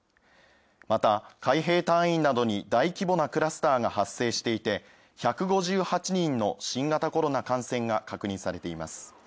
また、海兵隊員などに大規模なクラスターが発生していて１５８人の新型コロナ感染が確認されています。